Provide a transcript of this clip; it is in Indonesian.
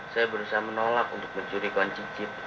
saya berusaha menolak untuk mencuri kawan cicip